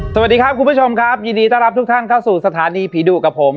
สวัสดีครับคุณผู้ชมครับยินดีต้อนรับทุกท่านเข้าสู่สถานีผีดุกับผม